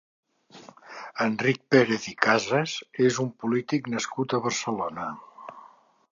Enric Pérez i Casas és un polític nascut a Barcelona.